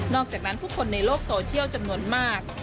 อกจากนั้นผู้คนในโลกโซเชียลจำนวนมาก